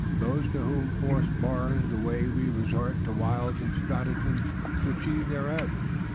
Those to whom force bars the way will resort to wiles and stratagems to achieve their ends.